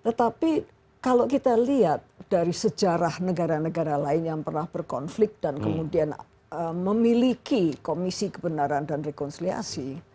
tetapi kalau kita lihat dari sejarah negara negara lain yang pernah berkonflik dan kemudian memiliki komisi kebenaran dan rekonsiliasi